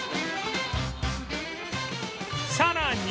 さらに